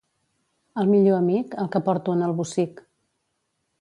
El millor amic, el que porto en el bossic.